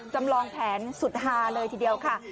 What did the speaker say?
จำลองแผนสุดฮาเลยทีเดียวค่ะ